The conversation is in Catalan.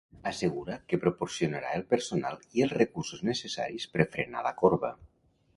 Assegura que proporcionarà el personal i els recursos necessaris per frenar la corba.